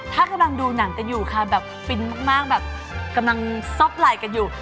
ถ้ากำลังดูหนังกันอยู่ค่ะแบบฟินมากแบบกำลังซบไหล่กันอยู่